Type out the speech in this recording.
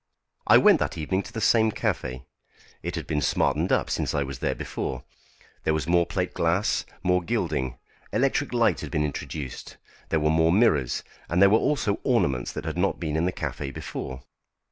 I went that evening to the same café. It had been smartened up since I was there before. There was more plate glass, more gilding; electric light had been introduced, there were more mirrors, and there were also ornaments that had not been in the café before.